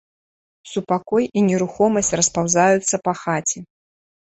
Супакой і нерухомасць распаўзаюцца па хаце.